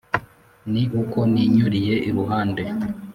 Ni uko ninyuriye iruhande,